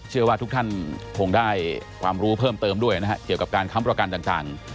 เชื่อว่าทุกท่านคงได้ความรู้เพิ่มเติมด้วยนะฮะเกี่ยวกับการค้ำประกันต่าง